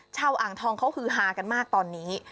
เช่าอ่างทองเขามึรทรรพ์มากกันตอนนี้